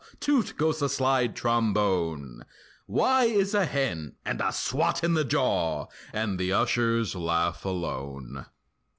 Toot, goes the slide trombone; Why is a hen? (And a swat in the jaw!) And the ushers laugh alone.